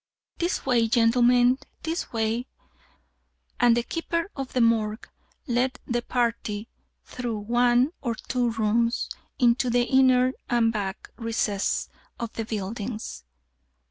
"This way, gentlemen, this way;" and the keeper of the Morgue led the party through one or two rooms into the inner and back recesses of the buildings.